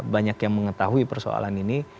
banyak yang mengetahui persoalan ini